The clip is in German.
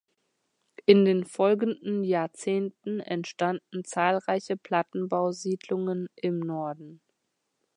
In den folgenden Jahrzehnten entstanden zahlreiche Plattenbausiedlungen im Norden.